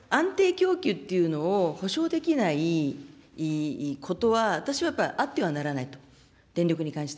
やっぱり安定供給というのを保障できないことは、私はあってはならないと、電力に関して。